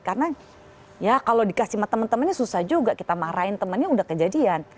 karena ya kalau dikasih sama teman temannya susah juga kita marahin temannya udah kejadian